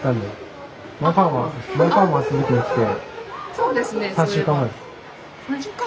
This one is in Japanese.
そうです。